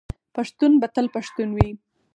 پښتون به تل پښتون وي.